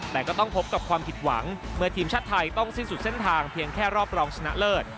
แต่ก็ต้องพบกับความผิดหวังเมื่อทีมชาติไทยต้องสิ้นสุดเส้นทางเพียงแค่รอบรองชนะเลิศ